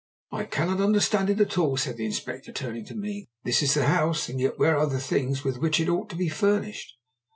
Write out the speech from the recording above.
"I cannot understand it at all," said the Inspector, turning to me. "This is the house, and yet where are the things with which it ought to be furnished?"